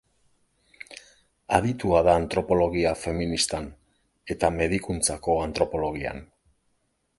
Aditua da antropologia feministan, eta medikuntzako antropologian.